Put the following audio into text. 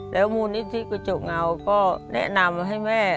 แล้วมูลนิธิกระจกเงาก็แนะนำให้แม่